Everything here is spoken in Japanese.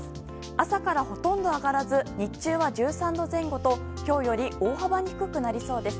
朝からほとんど上がらず日中は１３度前後と今日より大幅に低くなりそうです。